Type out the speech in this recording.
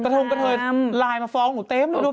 ประธนคันเฮยไลน์มาฟ้อของหนูเต็ม